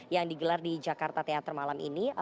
yang digelar di jakarta teater malam ini